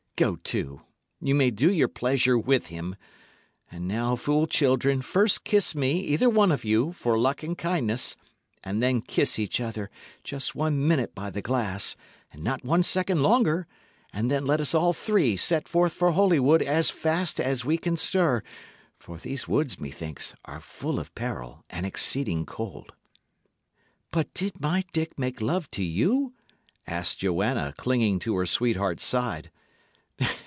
Go to ye may do your pleasure with him! And now, fool children, first kiss me, either one of you, for luck and kindness; and then kiss each other just one minute by the glass, and not one second longer; and then let us all three set forth for Holywood as fast as we can stir; for these woods, methinks, are full of peril and exceeding cold." "But did my Dick make love to you?" asked Joanna, clinging to her sweetheart's side.